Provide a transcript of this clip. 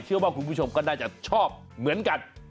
เชื่อว่าคุณผู้ชมก็น่าจะชอบเหมือนกัน